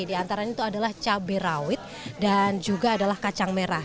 di antaranya itu adalah cabai rawit dan juga adalah kacang merah